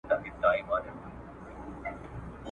هغه پر د ده د قام او د ټبر وو ,